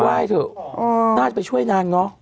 ไห้เถอะน่าจะไปช่วยนางเนอะ